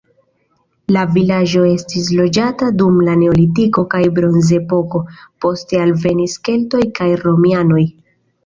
La vilaĝo estis loĝata dum la neolitiko kaj bronzepoko, poste alvenis keltoj kaj romianoj.